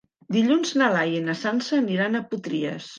Dilluns na Laia i na Sança aniran a Potries.